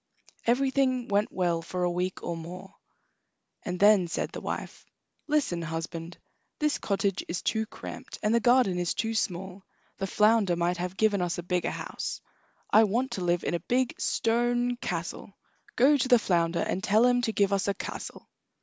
Everything went well for a week or more, and then said the wife: "Listen, husband; this cottage is too cramped, and the garden is too small. The flounder might have given us a bigger house. I want to live in a big stone castle. Go to the flounder, and tell him to give us a castle."